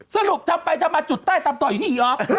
สรุปทำไปทำมาจุดใต้ตำต่ออยู่ที่อีออฟ